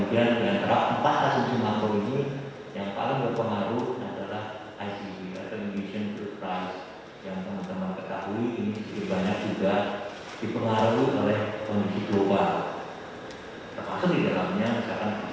dan kemudian diantara empat asumsi makro ini yang paling berpengaruh adalah icp